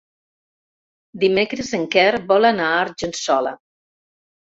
Dimecres en Quer vol anar a Argençola.